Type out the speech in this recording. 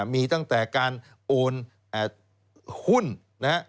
มีตั้งแต่การโอนหุ้น